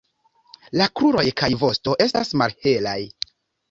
La kruroj kaj vosto estas malhelaj.